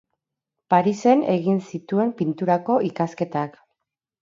Parisen egin zituen pinturako ikasketak.